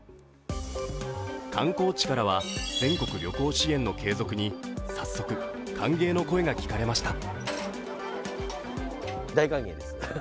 観光地からは、全国旅行支援の継続に早速、歓迎の声が聞かれました。